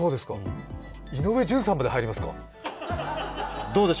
井上順さんまで入りますか！？